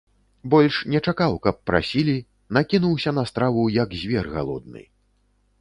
Больш не чакаў, каб прасілі, накінуўся на страву, як звер галодны.